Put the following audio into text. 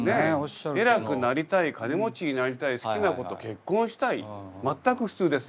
偉くなりたい金持ちになりたい好きな子と結婚したい全く普通ですよ。